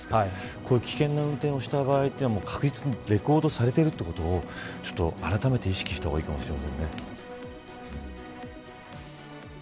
こういう危険な運転をした場合は必ずレコードされていることをあらためて意識した方がいいかもしれませんね。